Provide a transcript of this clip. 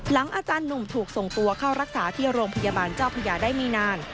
อาจารย์หนุ่มถูกส่งตัวเข้ารักษาที่โรงพยาบาลเจ้าพญาได้ไม่นาน